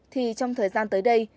thì trong thời gian tới đây